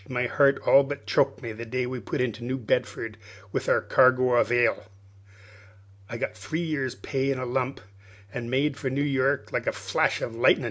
My heart all but choked me the day we put into New Bedford with our cargo of ile. I got my three years' pay in a lump, an' made for New York like a flash of lightnin'.